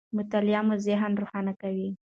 مطالعه مو ذهن روښانه کوي.